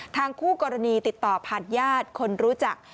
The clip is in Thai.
คู่กรณีติดต่อผ่านญาติคนรู้จัก